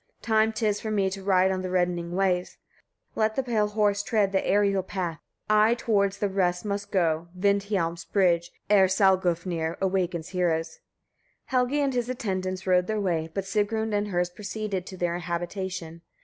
47. Time 'tis for me to ride on the reddening ways: let the pale horse tread the aerial path. I towards the west must go over Vindhialm's bridge, ere Salgofnir awakens heroes. Helgi and his attendants rode their way, but Sigrun and hers proceeded to their habitation.